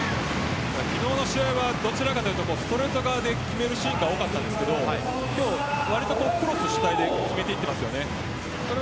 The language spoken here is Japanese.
昨日の試合はどちらかというとストレート側で決めるシーンが多かったですが今日は割とクロス主体で攻めています。